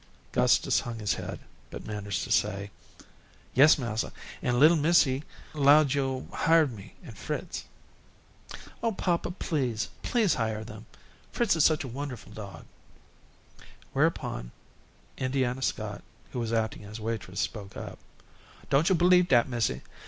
Gustus hung his head, but managed to say: "Yes, massa, an' little missy 'lowed yo'd hire me and Fritz." "Oh, papa, please, please hire them. Fritz is such a very wonderful dog." Whereupon Indianna Scott, who was acting as waitress, spoke up: "Don't yo' b'lieve dat, missy.